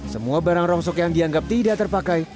semua barang rongsok yang dianggap tidak terpakai